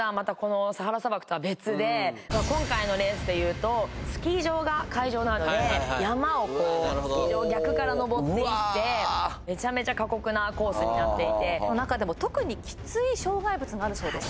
今回のレースで言うとスキー場が会場なので山を逆から登っていってめちゃめちゃ過酷なコースになっていて中でも特にキツイ障害物があるそうです